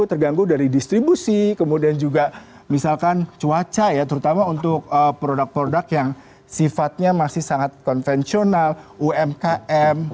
terganggu dari distribusi kemudian juga misalkan cuaca ya terutama untuk produk produk yang sifatnya masih sangat konvensional umkm